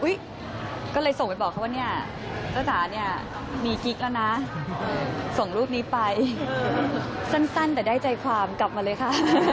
ก็เลยส่งไปบอกเขาว่าเนี่ยเจ้าจ๋าเนี่ยมีกิ๊กแล้วนะส่งรูปนี้ไปสั้นแต่ได้ใจความกลับมาเลยค่ะ